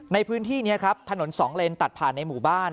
ในพื้นที่นี้ครับถนนสองเลนตัดผ่านในหมู่บ้าน